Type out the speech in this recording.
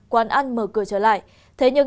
quán ăn mở cửa trở lại thế nhưng